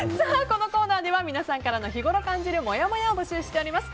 このコーナーでは皆さんから日頃感じるもやもやを募集しております。